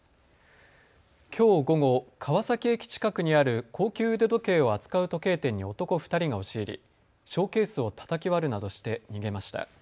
きょう午後、川崎駅近くにある高級腕時計を扱う時計店に男２人が押し入りショーケースをたたき割るなどして逃げました。